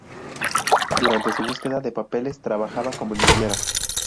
Durante su búsqueda de papeles, trabajaba como niñera.